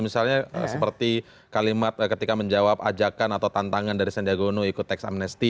misalnya seperti kalimat ketika menjawab ajakan atau tantangan dari sandiaga uno ikut teks amnesti